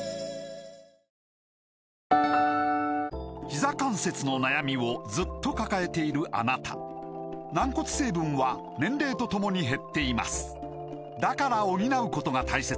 ひざ関節の悩みをずっと抱えているあなた軟骨成分は年齢とともに減っていますだから補うことが大切です